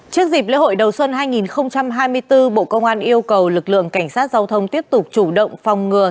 trước dịp lễ hội đầu xuân hai nghìn hai mươi bốn bộ công an yêu cầu lực lượng cảnh sát giao thông tiếp tục chủ động phòng ngừa